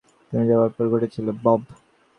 তুমি যাবার পর ঘটেছিল, বব।